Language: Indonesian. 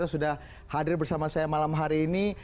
yang sudah hadir bersama saya malam hari ini